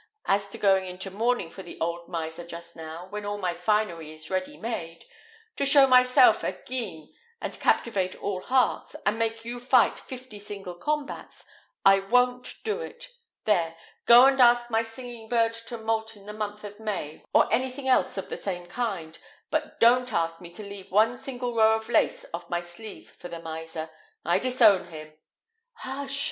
As to going into mourning for the old miser just now, when all my finery is ready made, to show myself at Guisnes and captivate all hearts, and make you fight fifty single combats I won't do it. There, go and ask my singing bird to moult in the month of May, or anything else of the same kind; but don't ask me to leave one single row of lace off my sleeve for the miser. I disown him." "Hush!